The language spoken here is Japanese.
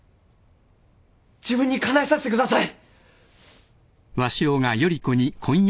自分にかなえさせてください！